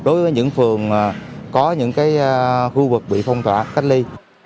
đối với những phường có những khu vực bị phong tỏa cách ly